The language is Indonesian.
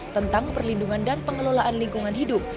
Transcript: tentang perlindungan dan pengelolaan lingkungan hidup